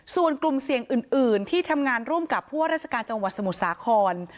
ส่วนกลุ่มเสี่ยงอื่นที่ทำงานร่วมกับผู้ว่าราชการจังหวัดสมุทรสาคร